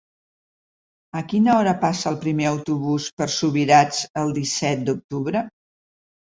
A quina hora passa el primer autobús per Subirats el disset d'octubre?